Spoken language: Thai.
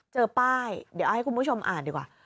เจอป้ายเดี๋ยวเอาให้คุณผู้ชมอ่านดีกว่า